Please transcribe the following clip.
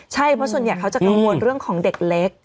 ใช่เพราะส่วนใหญ่เขาจะกังวลเรื่องของเด็กเล็ก